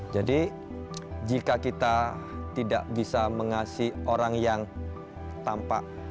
jadi jika kita tidak bisa mengasih orang yang tampak